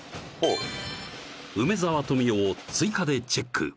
梅沢富美男を追加でチェック